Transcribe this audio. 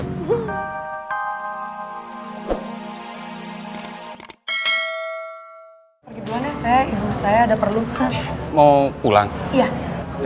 terima kasih ya mas juna